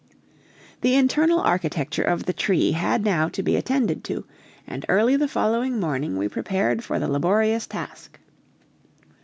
The internal architecture of the tree had now to be attended to, and early the following morning we prepared for the laborious task.